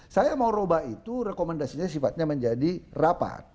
saya mau rubah itu rekomendasinya sifatnya menjadi rapat